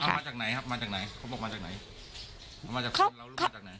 เขามาจากไหนครับมาจากไหนเขาบอกมาจากไหน